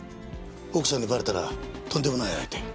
奥さんにバレたらとんでもない相手。